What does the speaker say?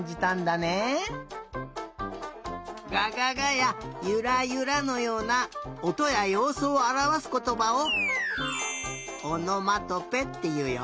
「ががが」や「ゆらゆら」のようなおとやようすをあらわすことばを「おのまとぺ」っていうよ。